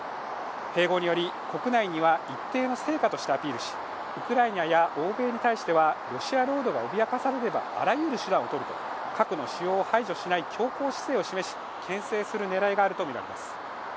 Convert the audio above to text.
併合により国内には一定の成果としてアピールし、ウクライナや欧米に対してはロシア領土が脅かされればあらゆる手段をとると核の使用を排除しない強硬姿勢を示し、けん制する狙いがあるとみられます。